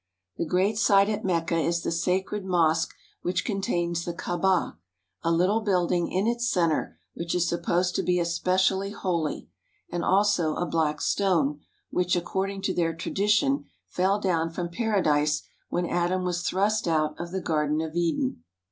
The great sight at Mecca is the sacred mosque which contains the Kaaba, a little building in its center which is supposed to be especially holy, and also a black stone, which, according to their tradition, fell down from Para dise when Adam was thrust out of the Garden of Eden.